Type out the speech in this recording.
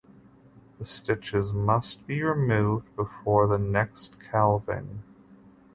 The stitches must be removed before the next calving.